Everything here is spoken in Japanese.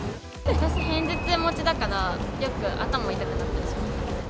私、片頭痛持ちだから、よく頭痛くなったりします。